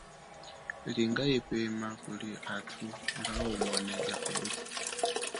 Linga ipema kuli athu mba umone yakuluthwe.